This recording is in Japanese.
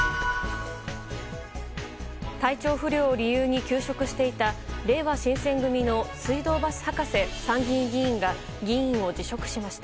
体調不良を理由に休職していたれいわ新選組の水道橋博士参議院議員が議員を辞職しました。